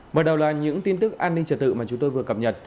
mở đầu là những tin tức an ninh trật tự mà chúng tôi vừa cập nhật